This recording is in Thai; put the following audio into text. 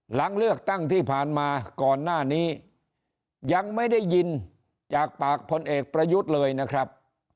หลังเลือกตั้งที่ผ่านมาก่อนหน้านี้ยังไม่ได้ยินจากปากพลเอกประยุทธ์เลยนะครับ